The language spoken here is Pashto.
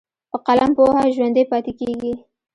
په قلم پوهه ژوندی پاتې کېږي.